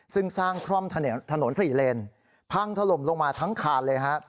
ซึ่งสร้างคล่อมถนน๔เลนพังถล่มลงมาทั้งคานเลยฮะ